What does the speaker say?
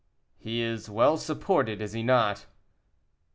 "He is well supported, is he not?"